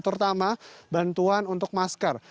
terutama bantuan untuk masker